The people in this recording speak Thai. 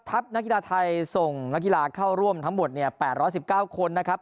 นักกีฬาไทยส่งนักกีฬาเข้าร่วมทั้งหมด๘๑๙คนนะครับ